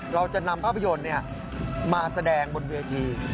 เราจะนำภาพยนตร์มาแสดงบนเวที